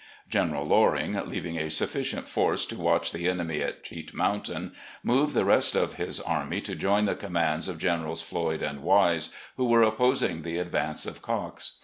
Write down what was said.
General Loring, leaving a sufficient force to watch the enemy at Cheat Mountain, moved the rest of his army to join the commands of Generals Floyd and Wise, who were opposing the advance of Cox.